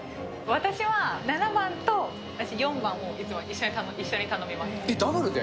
私は７番と４番をいつも一緒に頼ダブルで？